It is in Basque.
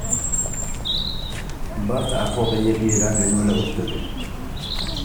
Bart ardo gehiegi edan genuela uste dut.